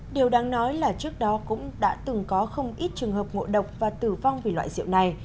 điều đáng nói là trước đó cũng đã từng có không ít trường hợp ngộ độc và tử vong vì loại rượu này